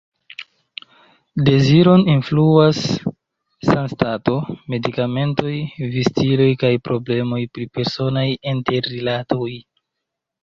Deziron influas sanstato, medikamentoj, vivstilo kaj problemoj pri personaj interrilatoj.